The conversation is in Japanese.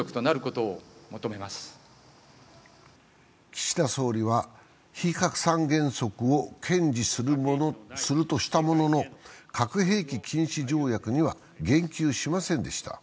岸田総理は非核三原則を堅持するとしたものの核兵器禁止条約には言及しませんでした。